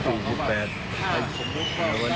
ในวันเกิดเท่า๑๗กันอย่าง